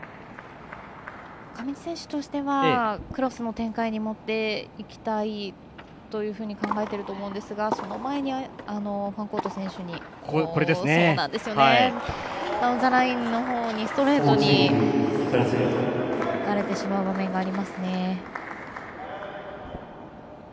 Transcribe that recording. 上地選手としてはクロスの展開に持っていきたいと考えていると思うんですがその前にファンコート選手にダウンザラインのほうストレートに打たれる場面がありますね。